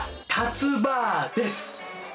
たつ婆です。